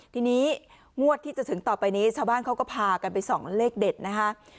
ทีนี้งวดที่จะถึงต่อไปนี้ชาวบ้านเขาก็พากันไปส่องเลขเด็ดนะคะ